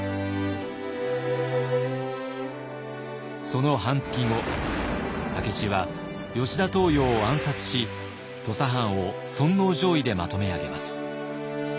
その半月後武市は吉田東洋を暗殺し土佐藩を尊皇攘夷でまとめ上げます。